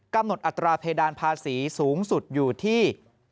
กำหนดอัตราเพดานภาษีสูงสุดอยู่ที่